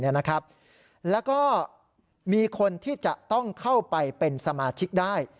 แล้วก็มีคนที่จะต้องเข้าไปเป็นสมาชิกได้